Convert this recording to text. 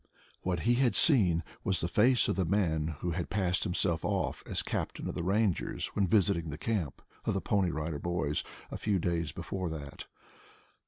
What he had seen was the face of the man who had passed himself off as captain of the Rangers when visiting the camp of the Pony Rider Boys a few days before that.